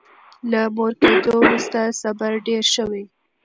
له مور کېدو وروسته صبر ډېر شوی.